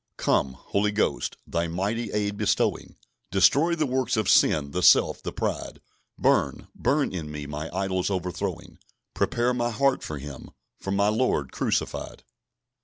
"Come, Holy Ghost, Thy mighty aid bestowing; Destroy the works of sin, the self, the pride; Burn, burn in me, my idols overthrowing: Prepare my heart for Him, for my Lord crucified."